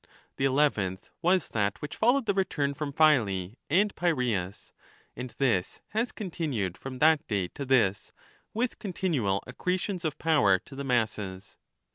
The eleventh was that which followed the return from Phyle and Piraeus ; and this has continued from that day to this, with continual accretions of power to the masses.